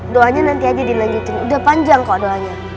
doanya nanti aja dilanjutin udah panjang kok doanya